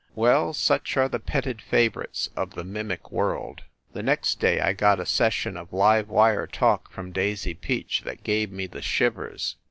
Well, such are the petted favorites of the mimic world. The next day I got a session of live wire talk from Daisy Peach that gave me the shivers.